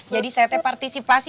jadi saya teh partisipasi